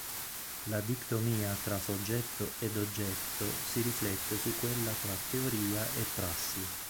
La dicotomia tra soggetto ed oggetto si riflette su quella tra teoria e prassi.